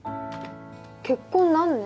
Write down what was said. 結婚何年？